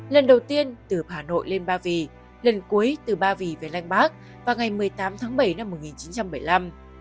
lần đầu tiên từ hà nội lên ba vì lần cuối từ ba vì về lanh bắc vào ngày một mươi tám tháng bảy năm một nghìn chín trăm bảy mươi năm